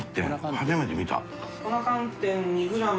初めて見た。